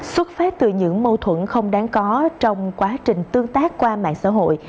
xuất phát từ những mâu thuẫn không đáng có trong quá trình tương tác qua mạng xã hội